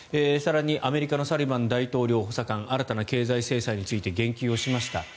更にアメリカのサリバン大統領補佐官新たな経済制裁について言及をしました。